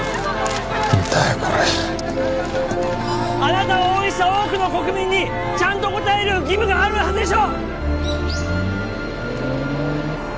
これあなたを応援した多くの国民にちゃんと答える義務があるはずでしょ！